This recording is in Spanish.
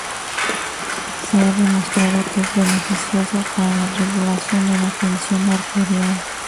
Se ha demostrado que es beneficioso para la regulación de la tensión arterial.